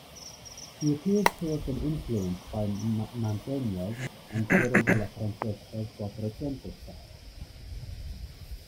He appears to have been influenced by Mantegna's and Piero della Francesca's Quattrocento styles.